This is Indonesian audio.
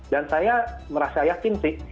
dan saya merasa yakin sih